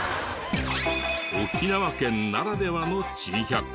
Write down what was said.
沖縄県ならではの珍百景。